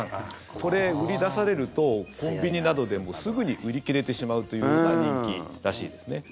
これ、売り出されるとコンビニなどでもすぐに売り切れてしまうような人気らしいですね。